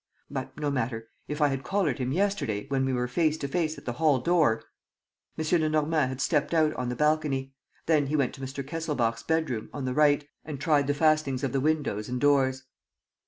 ... But, no matter, if I had collared him yesterday, when we were face to face at the hall door ..." M. Lenormand had stepped out on the balcony. Then he went to Mr. Kesselbach's bedroom, on the right, and tried the fastenings of the windows and doors.